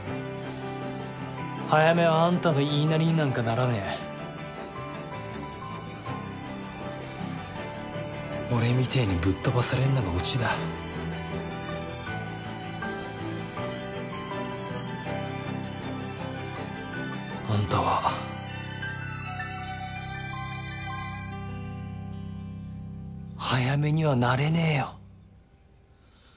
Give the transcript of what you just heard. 早梅はあんたの言いなりになんかならねえ俺みてえにぶっ飛ばされんのがオチだあんたは早梅にはなれねえよ